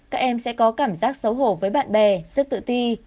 các em sẽ có cảm giác xấu hổ với bạn bè rất tự ti